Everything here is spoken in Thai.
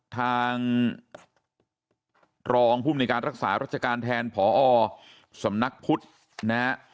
ทางรองภูมิในการรักษารัชการแทนผอสำนักพุทธนะฮะ